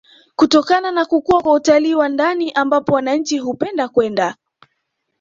kutokana na kukua kwa utalii wa ndani ambapo wananchi hupenda kwenda